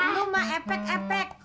lu mah epek epek